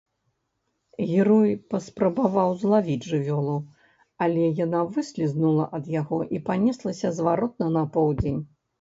Герой паспрабаваў злавіць жывёлу, але яна выслізнула ад яго і панеслася зваротна на поўдзень.